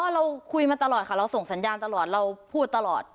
เราคุยมาตลอดค่ะเราส่งสัญญาณตลอดเราพูดตลอด